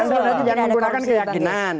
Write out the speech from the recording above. logika anda itu tidak menggunakan keyakinan